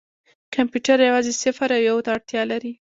کمپیوټر یوازې صفر او یو ته اړتیا لري.